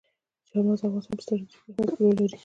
چار مغز د افغانستان په ستراتیژیک اهمیت کې رول لري.